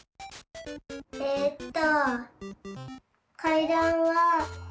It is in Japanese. えっと。